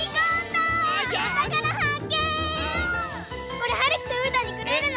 これはるきとうーたんにくれるの？